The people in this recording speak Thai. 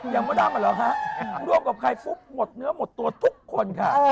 มดดำเหรอฮะร่วมกับใครปุ๊บหมดเนื้อหมดตัวทุกคนค่ะ